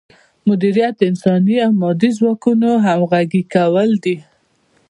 مدیریت د انساني او مادي ځواکونو همغږي کول دي.